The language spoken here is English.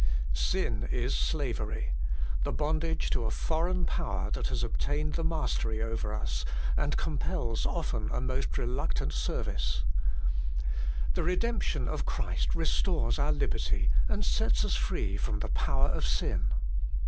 Sin is slavery ; the bondage to a foreign power that has obtained the mastery over us, and compels often a most reluctant service. The redemption of Christ restores our liberty and sets us free from the power of sin.